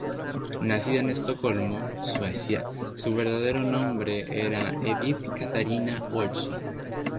Nacida en Estocolmo, Suecia, su verdadero nombre era Edith Katarina Olsson.